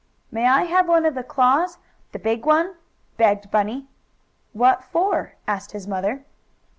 "May I have one of the claws the big one?" begged Bunny. "What for?" asked his mother.